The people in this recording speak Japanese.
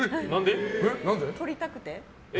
取りたくて。